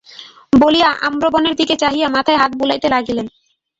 বলিয়া আম্রবনের দিকে চাহিয়া মাথায় হাত বুলাইতে লাগিলেন।